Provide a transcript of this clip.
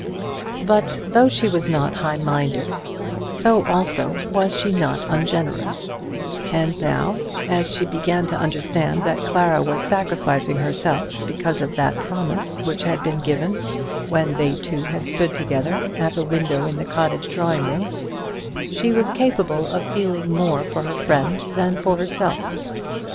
But though she was not high minded, so also was she not ungenerous; and now, as she began to understand that Clara was sacrificing herself because of that promise which had been given when they two had stood together at the window in the cottage drawing room, she was capable of feeling more for her friend than for herself.